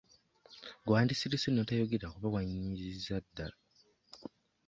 Gwe wandisirise n'otayogera kuba wanyiizizza dda.